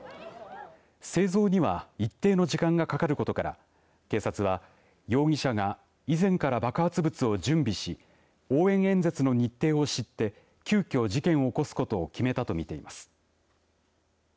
製造には一定の時間がかかることから警察は、容疑者が以前から爆発物を準備し応援演説の日程を知って急きょ事件を起こすことを決めたと見ています。